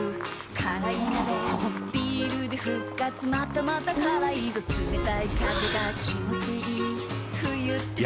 辛い鍋ビールで復活またまた辛いぞ冷たい風が気持ちいい冬って最高だ